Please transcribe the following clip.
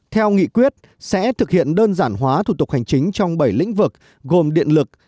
theo nghị quyết sẽ thực hiện đơn giản hóa thủ tục hành chính trong bảy lĩnh vực gồm điện lực